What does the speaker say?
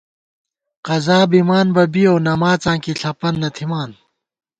قضا بِمان بہ بِیَؤ نماڅاں کی ݪَپَن نہ تھِمان